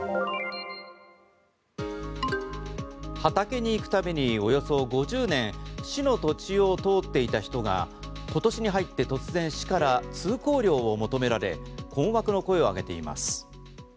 畑に行く度におよそ５０年市の土地を通っていた人が今年に入って突然市から通行料を求められ困惑の声を上げています。